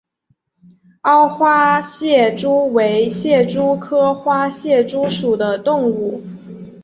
凹花蟹蛛为蟹蛛科花蟹蛛属的动物。